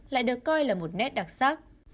lại được coi là một nét đặc sắc